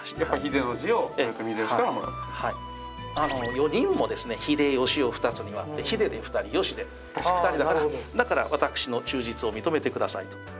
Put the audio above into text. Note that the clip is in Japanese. ４人もですね「秀吉」を２つに割って「秀」で２人「吉」で２人だからだから私の忠実を認めてくださいと。